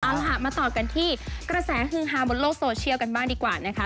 เอาล่ะมาต่อกันที่กระแสฮือฮาบนโลกโซเชียลกันบ้างดีกว่านะคะ